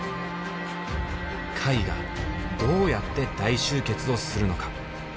貝がどうやって大集結をするのか？